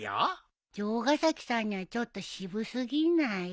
城ヶ崎さんにはちょっと渋過ぎない？